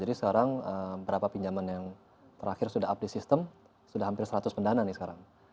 jadi sekarang berapa pinjaman yang terakhir sudah update sistem sudah hampir seratus pendana nih sekarang